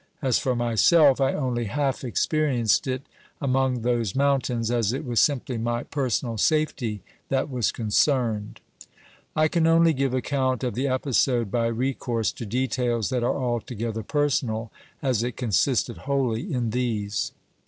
As for myself, I only half experienced it among those mountains, as it was simply my personal safety that was concerned. 396 OBERMANN I can only give account of the episode by recourse to details that are altogether personal, as it consisted wholly in these.